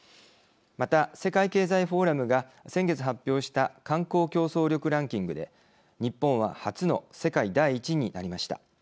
また、世界経済フォーラムが先月発表した観光競争力ランキングで日本は初の世界第１位になりました。